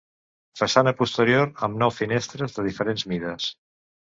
Façana posterior amb nou finestres de diferents mides.